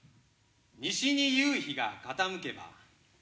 西に夕日が傾けば。